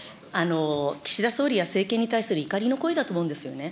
岸田総理や政権に対する怒りの声だと思うんですよね。